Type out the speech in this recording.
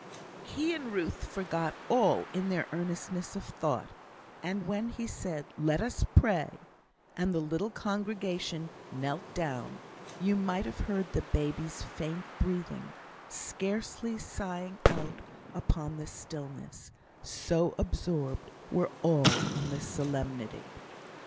He and Ruth forgot all in their earnestness of thought; and when he said "Let us pray," and the little congregation knelt down, you might have heard the baby's faint breathing, scarcely sighing out upon the stillness, so absorbed were all in the solemnity.